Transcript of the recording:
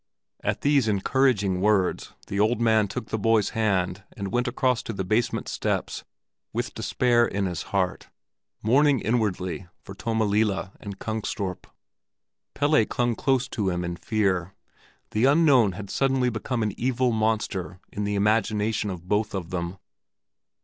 At these encouraging words, the old man took the boy's hand and went across to the basement steps with despair in his heart, mourning inwardly for Tommelilla and Kungstorp. Pelle clung close to him in fear. The unknown had suddenly become an evil monster in the imagination of both of them.